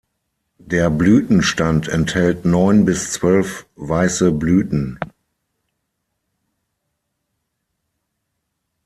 Der Blütenstand enthält neun bis zwölf weiße Blüten.